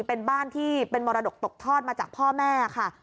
เป็นบ้านที่เป็นมรดกตกทอดมาจากพ่อแม่ค่ะ